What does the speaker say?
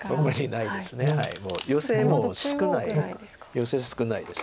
ヨセ少ないです。